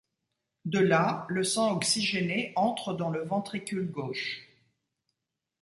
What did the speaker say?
De là le sang oxygéné entre dans le ventricule gauche.